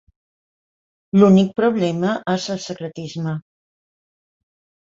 L'únic problema és el secretisme.